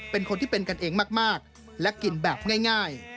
เป็นคนที่เป็นกันเองมากและกินแบบง่าย